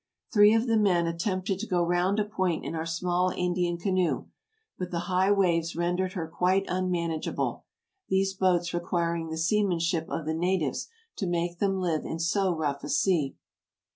Three of the men attempted to go round a point in our small Indian canoe, but the high waves rendered her quite unmanageable, these boats requiring the seamanship of the natives to make them live in so rough a sea.